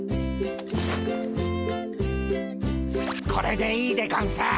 これでいいでゴンス。